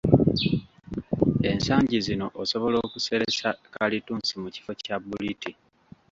Ensangi zino osobola okuseresa kalittunsi mu kifo kya bbuliti.